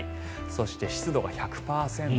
そして、湿度が１００％。